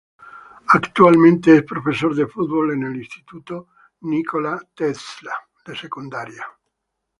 Actualmente es profesor de fútbol en el Instituto Tomas Alva Edison Plantel Secundaria.